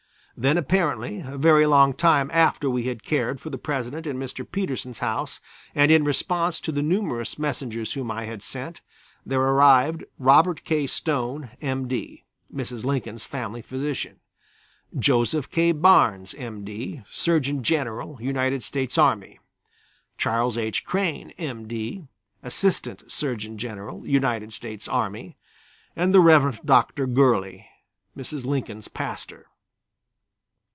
Then apparently a very long time after we had cared for the President in Mr. Petersen's house, and in response to the numerous messengers whom I had sent, there arrived Robert K. Stone, M. D., Mrs. Lincoln's family physician; Joseph K. Barnes, M. D., Surgeon General, United States Army; Charles H. Crane, M. D., Assistant Surgeon General, United States Army, and the Rev. Dr. Gurley, Mrs. Lincoln's pastor.